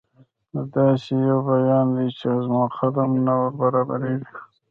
دا داسې یو بیان دی چې زما قلم نه وربرابرېږي.